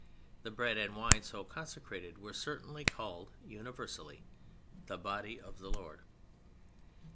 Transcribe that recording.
The bread and wine so consecrated were certainly called (universally) the Body of the Lord.